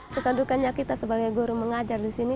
suka dukanya kita sebagai guru mengajar di sini